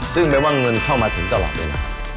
ซึ่งไม่ว่างเงินเข้ามาถึงตลอดเลยนะ